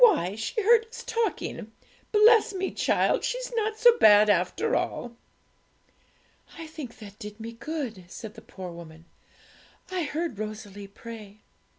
Why, she heard us talking; bless me, child! she's not so bad after all.' 'I think that did me good,' said the poor woman; 'I heard Rosalie pray.'